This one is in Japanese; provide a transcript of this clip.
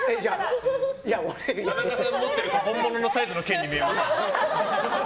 田中さんが持ってると本物のサイズの剣に見えます。